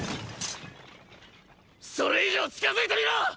それ以上近づいてみろ！！